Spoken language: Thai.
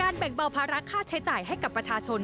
แบ่งเบาภาระค่าใช้จ่ายให้กับประชาชน